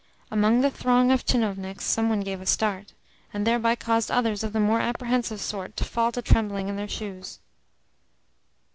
Among the throng of tchinovniks some one gave a start, and thereby caused others of the more apprehensive sort to fall to trembling in their shoes.